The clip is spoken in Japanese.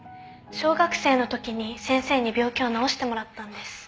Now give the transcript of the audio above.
小学生の時に先生に病気を治してもらったんです。